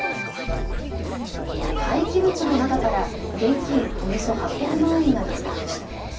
廃棄物の中から現金およそ８００万円が見つかりました。